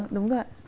vâng đúng rồi ạ